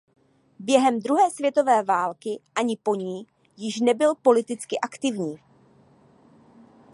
Během druhé světové války ani po ní již nebyl politicky aktivní.